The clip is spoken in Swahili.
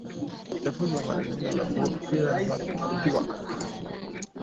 uchafuzi wa mazingira la Pure Earth